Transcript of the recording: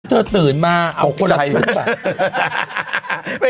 เจ้าตื่นมาเอาก็จะหายมา